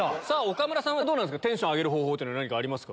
岡村さんはどうなんですか？